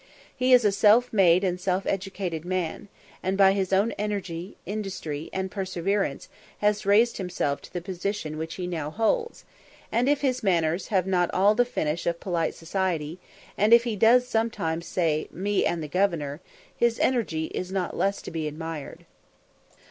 He is a self made and self educated man, and by his own energy, industry, and perseverance, has raised himself to the position which he now holds; and if his manners have not all the finish of polite society, and if he does sometimes say "Me and the governor," his energy is not less to be admired.